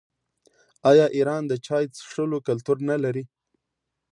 آیا ایران د چای څښلو کلتور نلري؟